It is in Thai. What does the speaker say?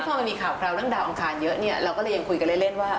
พอมันมีข่าวคราวเรื่องดาวอังคารเยอะเนี่ยเราก็เลยยังคุยกันเล่นว่า